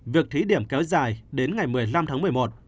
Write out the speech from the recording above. việc thí điểm kéo dài đến ngày một mươi năm tháng một mươi một